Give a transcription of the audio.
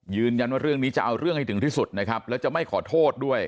ยืนยันว่าเรื่องนี้จะเอาเรื่องให้ถึงที่สุดนะครับแล้วจะไม่ขอโทษด้วย